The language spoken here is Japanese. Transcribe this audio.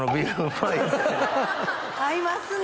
合いますね！